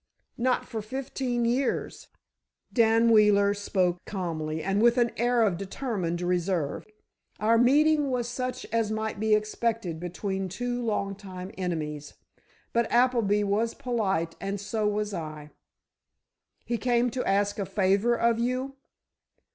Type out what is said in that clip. "Not for fifteen years," Dan Wheeler spoke calmly, and with an air of determined reserve. "Our meeting was such as might be expected between two long time enemies, but Appleby was polite and so was I." "He came to ask a favor of you?"